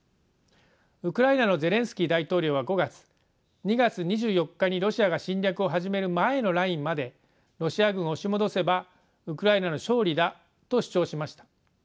ウクライナのゼレンスキー大統領は５月２月２４日にロシアが侵略を始める前のラインまでロシア軍を押し戻せばウクライナの勝利だと主張しました。